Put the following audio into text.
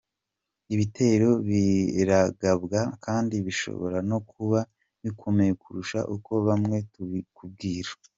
Ibitero biragabwa kandi bishobora no kuba bikomeye kurusha uko bamwe tubyibwira.